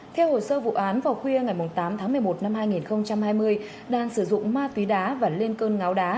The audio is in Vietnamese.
theo hồ sơ vụ án vào khuya ngày tám tháng một mươi một năm hai nghìn hai mươi đang sử dụng ma túy đá và lên cơn ngáo đá